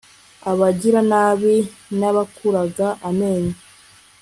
abagiranabi nabakuraga amenyo